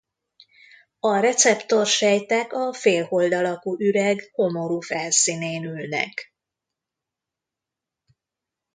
A receptor sejtek a félhold alakú üreg homorú felszínén ülnek.